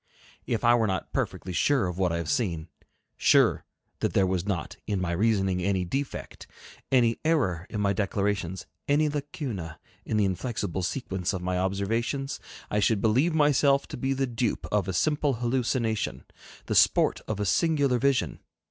If I were not perfectly sure of what I have seen, sure that there was not in my reasoning any defect, any error in my declarations, any lacuna in the inflexible sequence of my observations, I should believe myself to be the dupe of a simple hallucination, the sport of a singular vision.